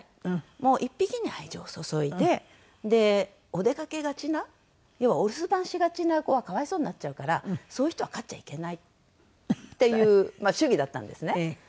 もう１匹に愛情を注いでお出かけがちな要はお留守番しがちな子は可哀想になっちゃうからそういう人は飼っちゃいけないっていう主義だったんですね。